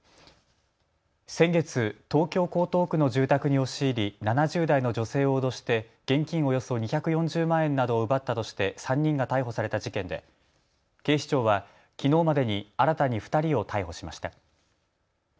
先月、東京江東区の住宅に押し入り７０代の女性を脅して現金およそ２４０万円などを奪ったとして３人が逮捕された事件で警視庁はきのうまでに新たに２人を逮捕しました。